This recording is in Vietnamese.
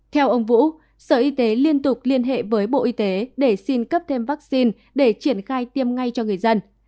theo ông vũ sở y tế liên tục liên hệ với bộ y tế để xin cấp thêm vaccine để triển khai tiêm ngay cho người dân